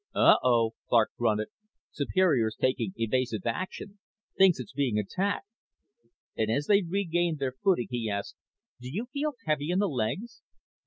"Oh oh," Clark grunted. "Superior's taking evasive action. Thinks it's being attacked." As they regained their footing he asked, "Do you feel heavy in the legs?"